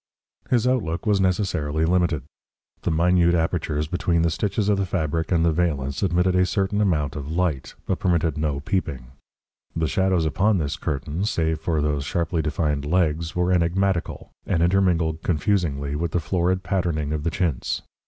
His outlook was necessarily limited. The minute apertures between the stitches of the fabric of the valance admitted a certain amount of light, but permitted no peeping. The shadows upon this curtain, save for those sharply defined legs, were enigmatical, and intermingled confusingly with the florid patterning of the chintz.